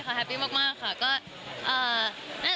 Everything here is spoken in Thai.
แฮปปี้มากค่ะ